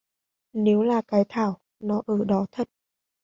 Nếu là Cái Thảo nó ở đó thật